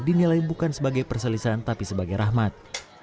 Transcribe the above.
dinilai bukan sebagai perselisahan tapi sebagai rahmat